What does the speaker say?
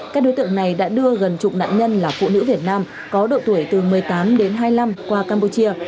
các đối tượng này đã đưa gần chục nạn nhân là phụ nữ việt nam có độ tuổi từ một mươi tám đến hai mươi năm qua campuchia